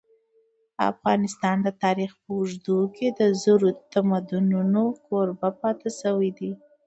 افغانستان د تاریخ په اوږدو کي د زرو تمدنونو کوربه پاته سوی دی.